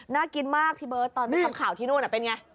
น่ากินมากพี่เบิร์ตตอนไปทำข่าวที่นู่นเป็นไง